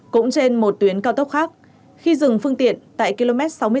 cũng trên một tuyến cao tốc khác khi dừng phương tiện tại km sáu mươi tám bảy trăm linh cao tốc hà nội thái nguyên